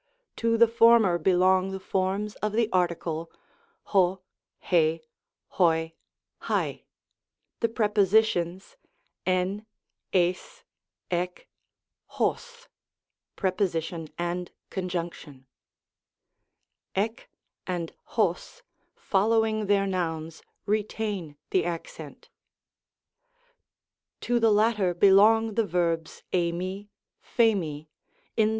To the former belong the forms of the article 6, rjy oly at ; the prepositions fV, dgy ex, cjg (prep, and conjunct.), s^c and coq, following their nouns, retain the accent. To the latter belong the verbs ti/uly (prj/nc, in the Pres.